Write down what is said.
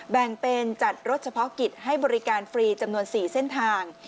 แบ่งเป็นจัดรถเฉพาะกิจให้บริการฟรีจำนวน๔เส้นทาง